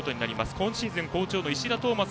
今シーズン好調の石田トーマス